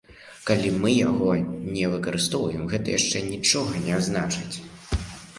Калі мы яго не выкарыстоўваем, гэта яшчэ нічога не значыць.